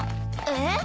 えっ？